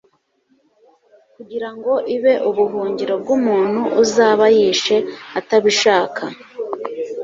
kugira ngo ibe ubuhungiro bw'umuntu uzaba yishe atabishaka